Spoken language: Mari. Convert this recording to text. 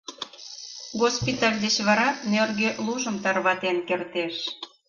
Госпиталь деч вара нӧргӧ лужым тарватен кертеш.